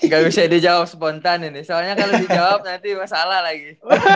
gak bisa dijawab spontan ini soalnya kalo dijawab nanti masalah lagi